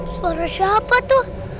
suara siapa tuh